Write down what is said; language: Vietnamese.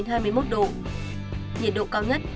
nhiệt độ cao nhất